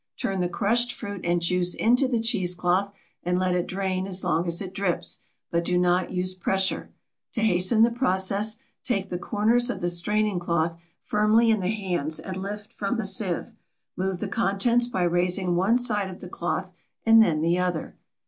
Turn the crushed fruit and juice into the cheese cloth, and let it drain as long as it drips, but do not use pressure. To hasten the process take the corners of the straining cloth firmly in the hands and lift from the sieve; move the contents by raising one side of the cloth and then the other.